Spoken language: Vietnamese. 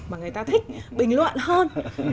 mà người ta thích bình luận hơn